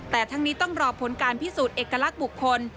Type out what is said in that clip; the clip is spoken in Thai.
แต่ทั้งนี้ต้องรอผลการพิสูจน์เอกลักษณ์บุคคล